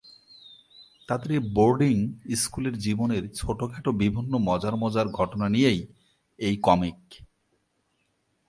তাদের এই বোর্ডিং স্কুলের জীবনের ছোটখাটো বিভিন্ন মজার মজার ঘটনা নিয়েই এই কমিক।